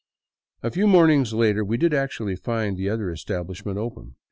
A few mornings later we did actually find the other establishment open.